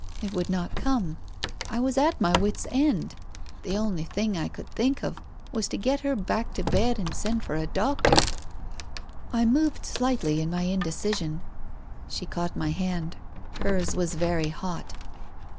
... It would not come. I was at my wits' end. The only thing I could think of was to get her back to bed and send for a doctor. I moved slightly in my indecision. She caught my hand. Hers was very hot.